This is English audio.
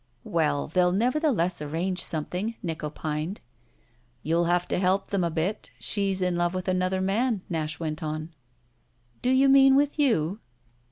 "Well, they'll nevertheless arrange something," Nick opined. "You'll have to help them a bit. She's in love with another man," Nash went on. "Do you mean with you?"